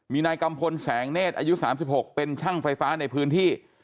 มีนายกัมพลแสงเนธอายุ๓๖เป็นช่างไฟฟ้าในพื้นที่